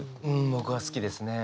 僕は好きですね。